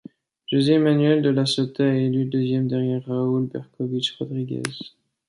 José Manuel de la Sota est élu deuxième, derrière Raúl Bercovich Rodríguez.